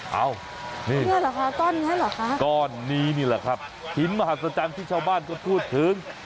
เอ้านี่ก้อนนี้นี่แหละครับหินมหาศาจรรย์ที่ชาวบ้านก็พูดถึง